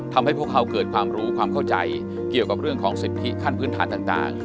ทำให้พวกเขาเกิดความรู้ความเข้าใจเกี่ยวกับเรื่องของสิทธิขั้นพื้นฐานต่าง